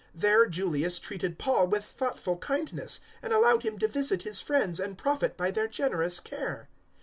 There Julius treated Paul with thoughtful kindness and allowed him to visit his friends and profit by their generous care.